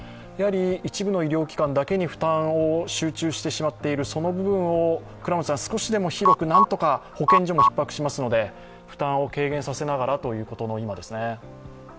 一部の医療機関だけに負担を集中してしまっているその部分を少しでも広く何とか、保健所もひっ迫しますので、負担を軽減させながらということの今ですね。